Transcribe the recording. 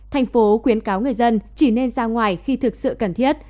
thành phố khuyến cáo người dân chỉ nên ra ngoài khi thực sự cần thiết